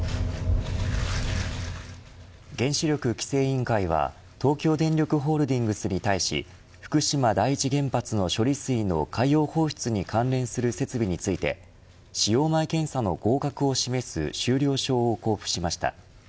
原子力規制委員会は東京電力ホールディングスに対し福島第一原発の処理水の海洋放出に関連する設備について使用前検査の合格を示す終了証を交付しました。